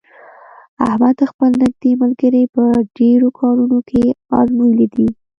احمد خپل نېږدې ملګري په ډېرو کارونو کې ازمېیلي دي.